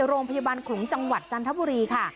โรงพยาบาลขลุงจังหวัดจันทบุรีค่ะ